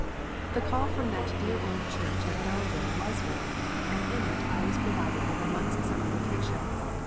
The call from that dear old church at Belleville was read, and in it I was provided with a month's summer vacation.